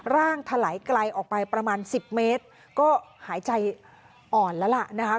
ถลายไกลออกไปประมาณ๑๐เมตรก็หายใจอ่อนแล้วล่ะนะคะ